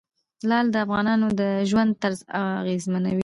لعل د افغانانو د ژوند طرز اغېزمنوي.